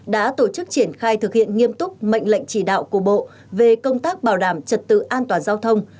đã tổ chức triển khai thực hiện nghiêm túc mệnh lệnh chỉ đạo của bộ về công tác bảo đảm trật tự an toàn giao thông